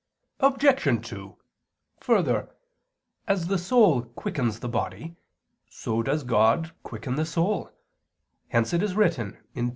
Obj. 2: Further, as the soul quickens the body so does God quicken the soul; hence it is written (Deut.